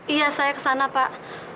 iya saya kesana pak